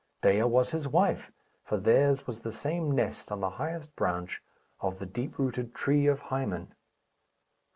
Dea was his wife, for theirs was the same nest on the highest branch of the deep rooted tree of Hymen.